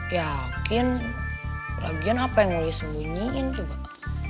yakin lagian apa yang disembunyiin sih pak